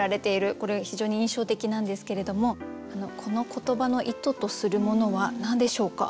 これが非常に印象的なんですけれどもこの言葉の意図とするものは何でしょうか？